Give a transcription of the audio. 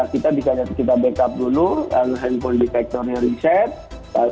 kita bisa backup dulu lalu handphone di factory reset